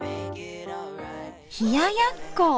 冷ややっこ！